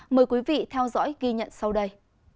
mời quý vị theo dõi ghi nhận sau đây